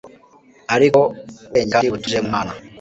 Ariko ubwenge kandi butuje mu Mana